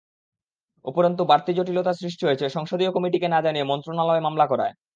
উপরন্তু বাড়তি জটিলতা সৃষ্টি হয়েছে সংসদীয় কমিটিকে না জানিয়ে মন্ত্রণালয় মামলা করায়।